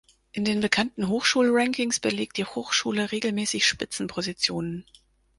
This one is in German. In den bekannten Hochschulrankings belegt die Hochschule regelmäßig Spitzenpositionen.